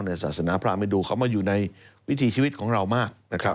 ในศาสนาพระมินดูเขามาอยู่ในวิธีชีวิตของเรามาก